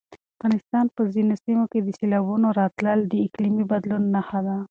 د افغانستان په ځینو سیمو کې د سېلابونو راتلل د اقلیمي بدلون نښه ده.